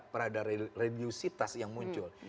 perada religiositas yang muncul